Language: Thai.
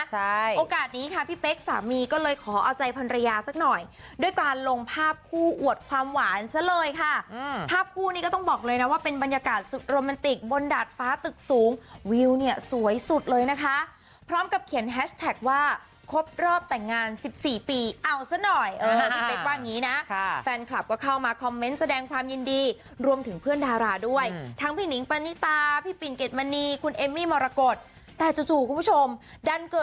ใช่โอกาสนี้ค่ะพี่เป๊กสามีก็เลยขอเอาใจพรรยาสักหน่อยด้วยการลงภาพคู่อวดความหวานซะเลยค่ะอืมภาพคู่นี้ก็ต้องบอกเลยนะว่าเป็นบรรยากาศสุดโรแมนติกบนดาดฟ้าตึกสูงวิวเนี่ยสวยสุดเลยนะคะพร้อมกับเขียนแฮชแท็กว่าคบรอบแต่งงานสิบสี่ปีเอาซะหน่อยเออฮะพี่เป๊กว่างี้น่ะค่ะแฟนคลับก็เข้ามาค